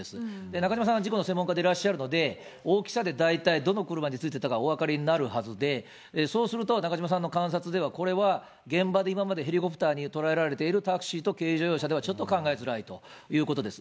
中島さんは事故の専門家でいらっしゃるので、大きさで大体どの車についてたかお分かりになるはずで、そうすると、中島さんの観察では、これは現場で今までヘリコプターに捉えられているタクシーと軽乗用車ではちょっと考えづらいということです。